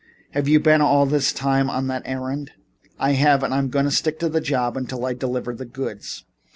"Have you been all this time on that errand?" "I have. And I'm going to stick on the job until I deliver the goods.